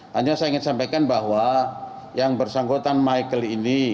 hanya saya ingin sampaikan bahwa yang bersangkutan michael ini